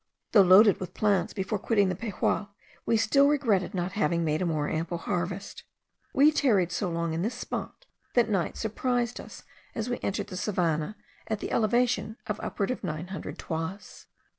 Though loaded with plants before quitting the Pejual, we still regretted not having made a more ample harvest. We tarried so long in this spot, that night surprised us as we entered the savannah, at the elevation of upwards of nine hundred toises.